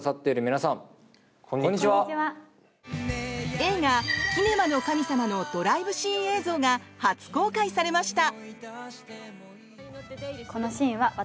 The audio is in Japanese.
映画「キネマの神様」のドライブシーン映像が初公開されました。